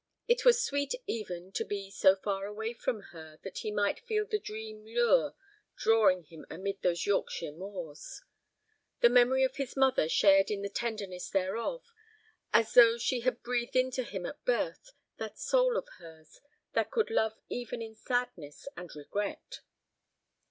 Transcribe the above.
It was sweet even to be so far away from her that he might feel the dream lure drawing him amid those Yorkshire moors. The memory of his mother shared in the tenderness thereof, as though she had breathed into him at birth that soul of hers that could love even in sadness and regret.